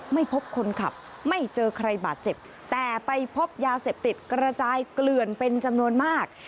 ไม่พบคนขับไม่เจอใครบาดเจ็บแต่ไปพบยาเสพติดกระจายเกลื่อนเป็นจำนวนมาก